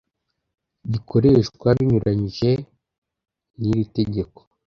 Gikoreshwa binyuranyije n iri tegeko